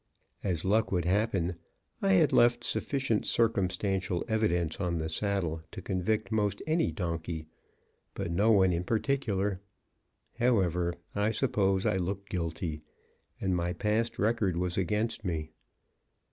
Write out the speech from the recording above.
As luck would happen, I had left sufficient circumstantial evidence on the saddle to convict most any donkey, but no one in particular. However, I suppose I looked guilty, and my past record was against me.